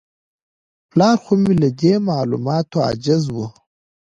پلار خو مې له دې معلوماتو عاجز و.